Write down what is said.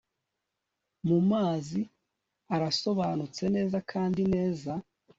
mu mazi arasobanutse neza kandi neza